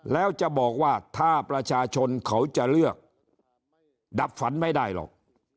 แล้วจะบอกว่าถ้าประชาชนเขาจะเลือกดับฝันไม่ได้หรอก